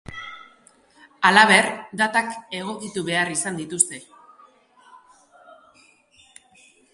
Halaber, datak egokitu behar izan dituzte.